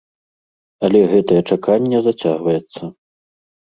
Але гэтае чаканне зацягваецца.